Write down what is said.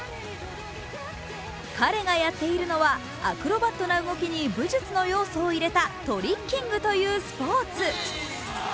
彼がやっているのはアクロバットな動きに武術の要素を入れたトリッキングというスポーツ。